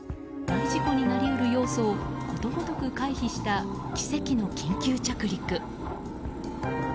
大事故になり得る要素をことごとく回避した奇跡の緊急着陸。